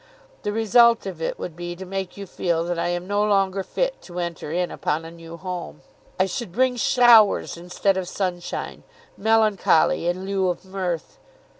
The result of it would be to make you feel that I am no longer fit to enter in upon a new home. I should bring showers instead of sunshine, melancholy in lieu of mirth.